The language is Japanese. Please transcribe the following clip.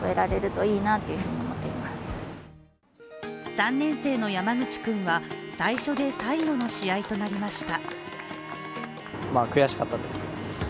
３年生の山口君は、最初で最後の試合となりました。